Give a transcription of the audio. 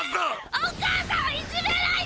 お母さんをいじめないで！